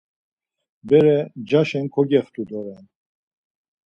Bere ncaşen kogextu doren.